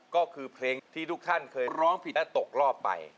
ก็คือเพลงที่ทุกท่านเคยร้องผิดและตกรอบไป